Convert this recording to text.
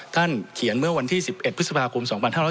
ท่านเขียนเมื่อวันที่๑๑พฤษภาคม๒๕๖๒